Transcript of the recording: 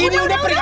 ini udah perihal